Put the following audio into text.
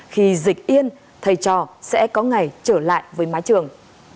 khi dịch yên thầy trò sẽ có ngày trở lại với mái trường